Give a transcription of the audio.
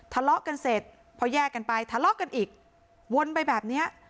ทะเลาะกันเสร็จพอแยกกันไปทะเลาะกันอีกวนไปแบบเนี้ย